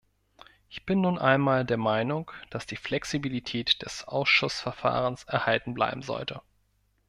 Ich bin nun einmal der Meinung, dass die Flexibilität des Ausschussverfahrens erhalten bleiben sollte.